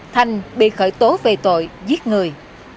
thanh bị khởi tố về tội giết người